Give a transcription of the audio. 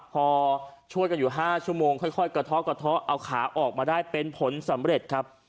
พอชวดอยู่๕ชั่วโมงค่อยกระทะเอาขาออกมาได้เป็นผลสำเร็จ